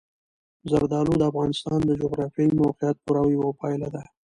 زردالو د افغانستان د جغرافیایي موقیعت پوره یوه پایله ده.